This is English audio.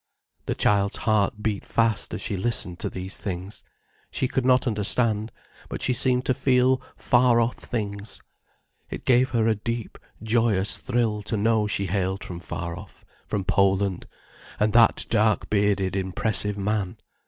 The child's heart beat fast as she listened to these things. She could not understand, but she seemed to feel far off things. It gave her a deep, joyous thrill, to know she hailed from far off, from Poland, and that dark bearded impressive man.